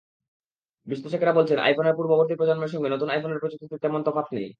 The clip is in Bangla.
বিশ্লেষকেরা বলছেন, আইফোনের পূর্ববর্তী প্রজন্মের সঙ্গে নতুন আইফোনের প্রযুক্তিতে তেমন তফাত নেই।